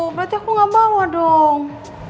berarti aku gak bawa dong